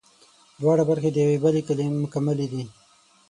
دواړه برخې د یوې بلې مکملې دي